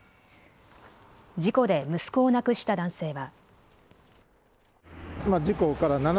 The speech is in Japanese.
事故で息子を亡くした男性は。